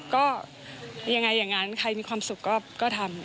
ก็ยังไงอย่างนั้นใครมีความสุขก็ทำ